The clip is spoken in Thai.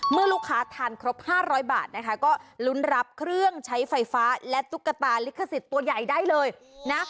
เมื่อลูกค้าทานครบ๕๐๐บาทนะคะก็ลุ้นรับเครื่องใช้ไฟฟ้าและตุ๊กตาลิขสิทธิ์ตัวใหญ่ได้เลยนะ